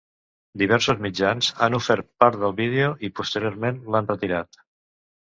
Diversos mitjans han ofert part del vídeo i posteriorment l’han retirat.